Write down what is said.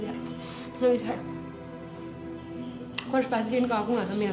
aku harus pastiin kalau aku gak hamil